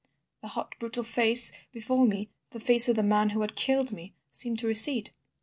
The hot, brutal face before me, the face of the man who had killed me, seemed to recede.